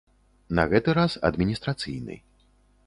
На гэты раз адміністрацыйны.